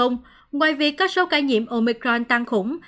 ngoài việc có số ca nhiễm omicron tăng khủng